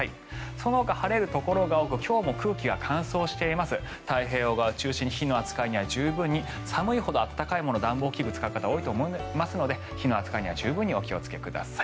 そのほか晴れるところが多く今日も空気が乾燥しています太平洋側を中心に火の扱いには気をつけて寒いほど暖かいもの、暖房器具を使う方多いと思いますので火の扱いには十分にお気をつけください。